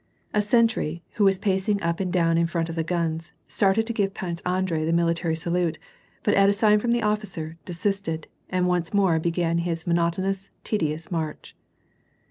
A sentry, who was pacing up and down in front of the guns, started to give Prince Andrei the military salute, but at a sign from the officer, desisted, and once more began his monoto nous, tedious march.